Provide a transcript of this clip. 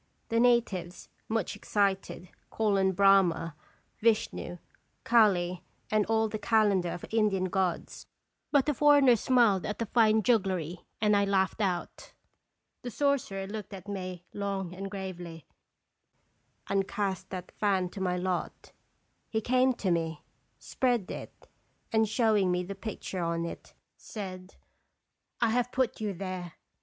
The natives, much excited, call on Brahma, Vishnu, Calle, and all the calendar of Indian gods; but the foreigners smiled at the fine jugglery, and I laughed out. The sorcerer looked at me long and gravely, and cast that fan to my lot. He came to me, spread it, and, showing me the picture on it, said: "I have put you there.